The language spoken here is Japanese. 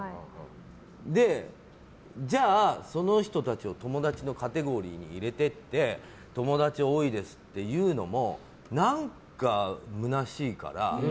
で、じゃあその人たちを友達のカテゴリーに入れていって友達多いですっていうのも何かむなしいから。